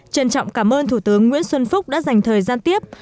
trân trọng cảm ơn thủ tướng nguyễn xuân phúc đã dành thời gian tiếp